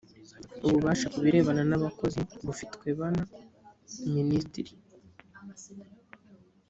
ububasha ku birebana n’ abakozi bufitwebna minisitiri